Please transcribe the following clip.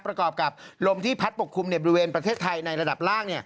ประกอบกับลมที่พัดปกคลุมในบริเวณประเทศไทยในระดับล่าง